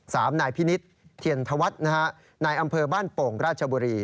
นายพินิษฐ์เทียนธวัฒน์นะฮะนายอำเภอบ้านโป่งราชบุรี